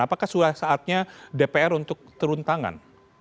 apakah sudah saatnya dpr untuk turun tangan